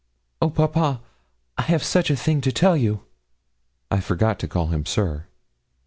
'Oh, papa, I have such a thing to tell you!' I forgot to call him 'Sir.'